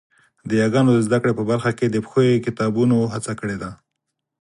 د یاګانو د زده کړې په برخه کې د پښويې کتابونو هڅه کړې ده